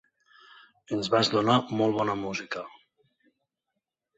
Ens vas donar molt bona música.